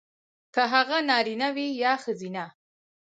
کـه هغـه نـاريـنه وي يـا ښـځيـنه .